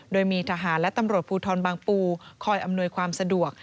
โดยมีทหารและตำรวจภูทรบางปูคอยอำนวยความสะดวก